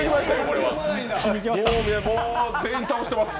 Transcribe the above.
もう全員倒してます。